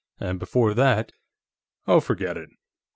And before that ..." "Oh, forget it."